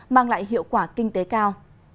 mang lại hiệu quả kinh tế cao